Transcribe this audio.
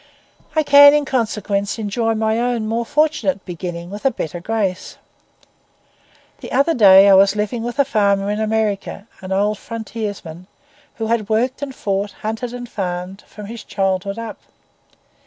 I can in consequence enjoy my own more fortunate beginning with a better grace. The other day I was living with a farmer in America, an old frontiersman, who had worked and fought, hunted and farmed, from his childhood up.